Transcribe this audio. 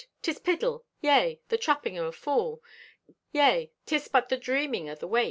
'Tis piddle! Yea, the trapping o' a fool! Yea, 'tis but the dreaming o' the waked!